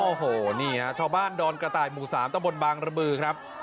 โอ้โหจ้ะชาวบ้านดอนกระต่ายหมู่สามต้อบนบางระบือครับ